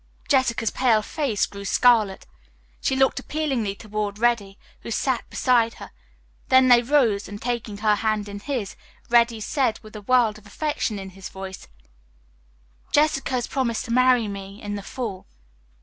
Jessica's pale face grew scarlet. She looked appealingly toward Reddy, who sat beside her, then they rose and, taking her hand in his, Reddy said with a world of affection in his voice, "Jessica has promised to marry me in the fall."